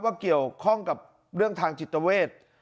เกี่ยวข้องกับเรื่องทางจิตเวท